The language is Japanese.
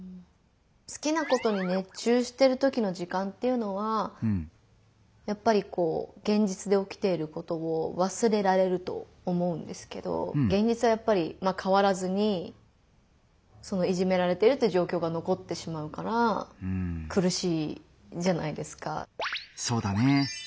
好きなことに熱中してるときの時間っていうのはやっぱりこう現実でおきていることを忘れられると思うんですけど現実はやっぱりまあ変わらずにそのいじめられてるっていう状況がのこってしまうからくるしいじゃないですか。